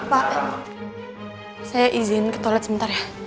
pak saya izin ke toilet sebentar ya